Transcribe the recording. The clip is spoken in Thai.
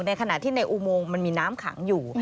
ในขณะที่ในอุโมงมันมีน้ำขังอยู่